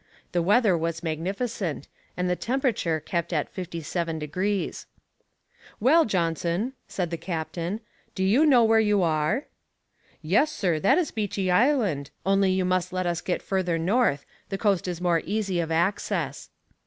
the weather was magnificent, and the temperature kept at 57 degrees. "Well, Johnson," said the captain, "do you know where you are?" "Yes, sir, that is Beechey Island; only you must let us get further north the coast is more easy of access."